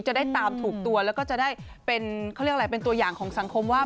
จะได้ตามถูกตัวแล้วก็จะได้เป็นตัวอย่างของสังคมว่า